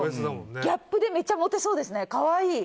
ギャップでめちゃモテそうですね。